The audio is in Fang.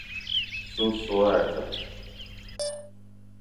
Sôsôe a zam.